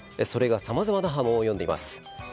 それがさまざまな波紋を呼んでいます。